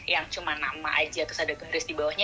yang cuma nama aja terus ada garis di bawahnya